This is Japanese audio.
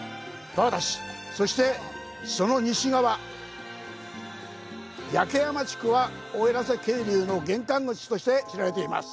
そして、その西側、焼山地区は奥入瀬渓流の玄関口として知られています。